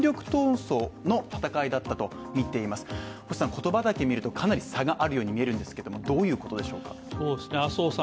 言葉だけ見るとかなり差があるように見えるんですけども、どういうことでしょうかどうして麻生さん